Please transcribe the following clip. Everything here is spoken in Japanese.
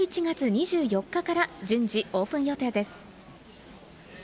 麻布台ヒルズは１１月２４日から順次、オープン予定です。